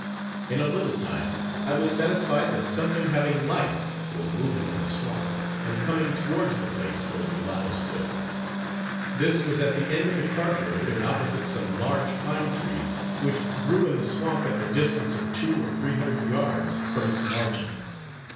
In a little time, I was satisfied that something having life was moving in the swamp, and coming towards the place where the mulatto stood. This was at the end of the cart road, and opposite some large pine trees, which grew in the swamp, at the distance of two or three hundred yards from its margin.